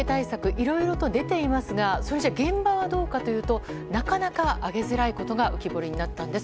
いろいろと出ていますが現場はどうかというとなかなか上げづらいことが浮き彫りになったんです。